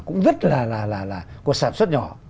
cũng rất là là là là có sản xuất nhỏ